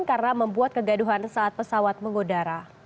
karena membuat kegaduhan saat pesawat mengudara